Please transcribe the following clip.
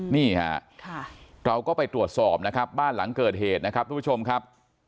นี่ค่ะเราก็ไปตรวจสอบนะครับบ้านหลังเกิดเหตุนะครับทุกผู้ชมครับ